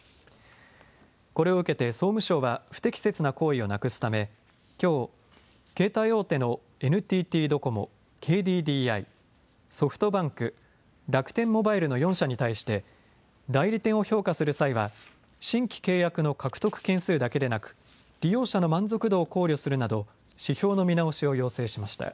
これを受けて総務省は不適切な行為をなくすため、きょう携帯大手のＮＴＴドコモ、ＫＤＤＩ、ソフトバンク、楽天モバイルの４社に対して代理店を評価する際は新規契約の獲得件数だけでなく利用者の満足度を考慮するなど指標の見直しを要請しました。